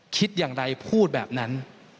คิดอย่างไรพูดแบบนั้น